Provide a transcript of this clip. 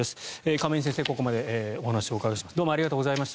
亀井先生にここまでお話をお伺いしました。